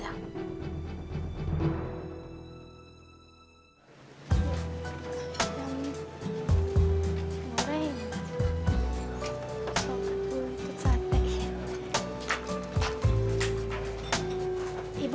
pegang aturinya dulu deh